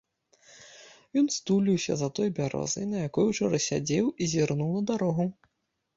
Ён стуліўся за той бярозай, на якой учора сядзеў, і зірнуў на дарогу.